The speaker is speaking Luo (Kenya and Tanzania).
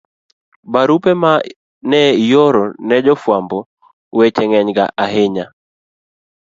Barupe ma ne ioro ne jofwamb weche ng'enyga ahinya.